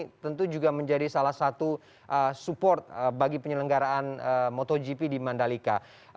ini tentu juga menjadi salah satu support bagi penyelenggaraan motogp di mandalika